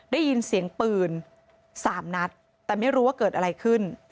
ได้ยินเสียงปืน๓นัดแต่ไม่รู้ว่าเกิดอะไรขึ้น